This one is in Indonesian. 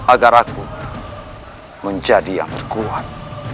agar aku menjadi yang terkuat